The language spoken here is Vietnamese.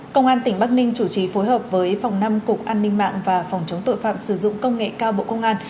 công an tỉnh bắc ninh chủ trì phối hợp với phòng năm cục an ninh mạng và phòng chống tội phạm sử dụng công nghệ cao bộ công an